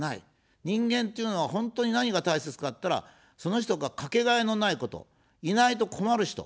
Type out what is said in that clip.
人間っていうのは本当に何が大切かといったら、その人が掛けがえのないこと、いないと困る人。